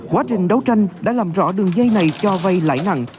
quá trình đấu tranh đã làm rõ đường dây này cho vay lãi nặng